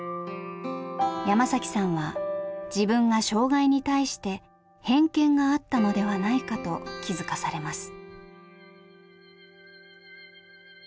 山さんは自分が障害に対して偏見があったのではないかと気付かされます。